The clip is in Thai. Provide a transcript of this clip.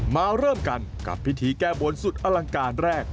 มาเริ่มกันกับพิธีแก้บนสุดอลังการแรก